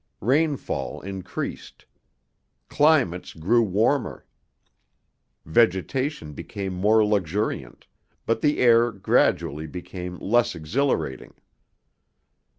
Rainfall increased. Climates grew warmer. Vegetation became more luxuriant but the air gradually became less exhilarating.